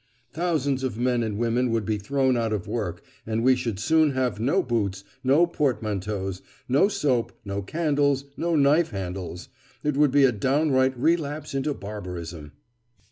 Thousands of men and women would be thrown out of work, and we should soon have no boots, no portmanteaus, no soap, no candles, no knife handles. It would be a downright relapse into barbarism.